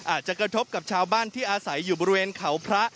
อาจจะกระทบกับชาวบ้านที่อาศัยอยู่บริเวณเขาพระ